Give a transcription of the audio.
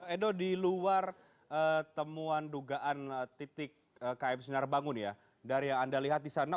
edo di luar temuan dugaan titik km sinar bangun ya dari yang anda lihat di sana